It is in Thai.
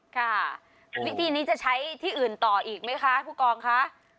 ค่ะวิธีนี้จะใช้ที่อื่นต่ออีกไหมคะผู้กองคะ